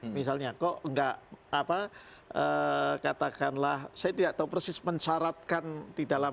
misalnya kok enggak apa katakanlah saya tidak tahu persis mensyaratkan di dalam